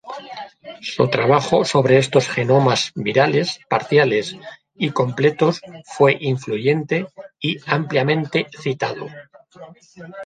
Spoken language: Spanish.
Su trabajo sobre estos genomas virales parciales y completos fue influyente y ampliamente citado.